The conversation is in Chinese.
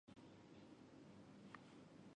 该党以哇扬木偶戏中的查诺科为象征物。